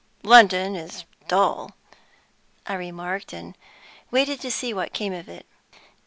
"London is dull," I remarked, and waited to see what came of it.